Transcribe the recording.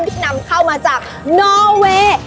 ที่นำเข้ามาจากนอเวย์